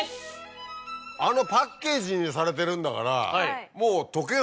あのパッケージにされてるんだからもう溶けない。